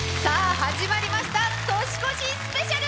始まりました、年越しスペシャル！